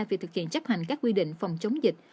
việc thực hiện chấp hành các quy định phòng chống dịch